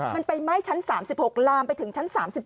มันไปไหม้ชั้น๓๖ลามไปถึงชั้น๓๔